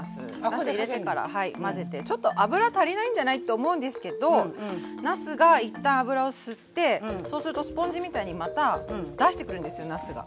なす入れてから混ぜてちょっと油足りないんじゃない？と思うんですけどなすが一旦油を吸ってそうするとスポンジみたいにまた出してくるんですよなすが。